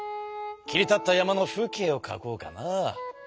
切り立った山の風景を描こうかな。